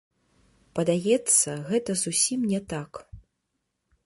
Падаецца, гэта зусім не так.